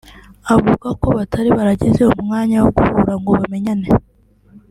avuga ko batari baragize umwanya wo guhura ngo bamenyane